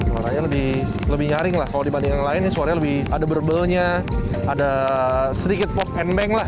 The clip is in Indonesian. suaranya lebih nyaring lah kalau dibanding yang lain ya suaranya lebih ada berbelnya ada sedikit pop and bang lah